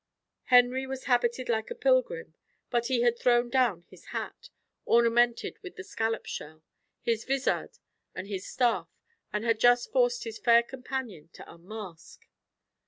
Henry was habited like a pilgrim, but he had thrown down his hat, ornamented with the scallop shell, his vizard, and his staff, and had just forced his fair companion to unmask.